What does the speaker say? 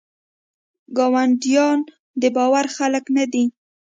ګاونډیان دباور خلګ نه دي.